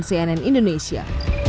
tim liputan cnn indonesia